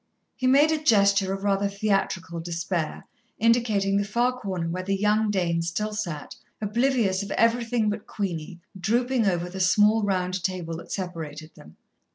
he made a gesture of rather theatrical despair, indicating the far corner where the young Dane still sat, oblivious of everything but Queenie, drooping over the small round table that separated them.